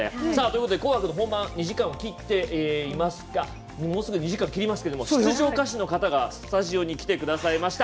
「紅白」の本番までもうすぐ２時間切りますけれども出場歌手の方がスタジオに来てくださいました。